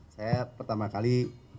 saya pertama kali